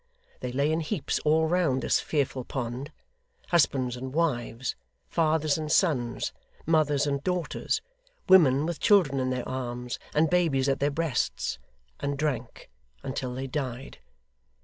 They lay in heaps all round this fearful pond, husbands and wives, fathers and sons, mothers and daughters, women with children in their arms and babies at their breasts, and drank until they died.